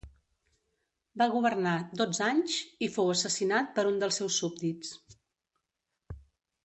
Va governar dotze anys i fou assassinat per un dels seus súbdits.